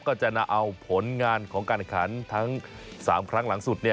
ก็จะนำเอาผลงานของการแข่งขันทั้ง๓ครั้งหลังสุด